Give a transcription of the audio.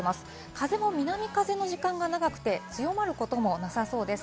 風も南風の時間が長くて強まることもなさそうです。